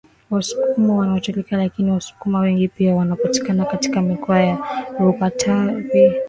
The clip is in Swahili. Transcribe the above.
wasukuma wanatokeaLakini Wasukuma wengi pia wanapatikana katika mikoa ya RukwaKatavi na Morogoro